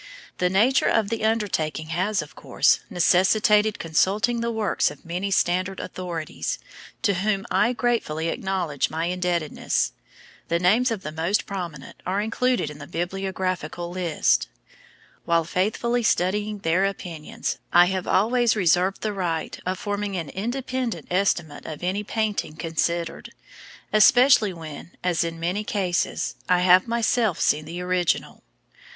The nature of the undertaking has, of course, necessitated consulting the works of many standard authorities, to whom I gratefully acknowledge my indebtedness. The names of the most prominent are included in the bibliographical list. While faithfully studying their opinions, I have always reserved the right of forming an independent estimate of any painting considered, especially when, as in many cases, I have myself seen the original.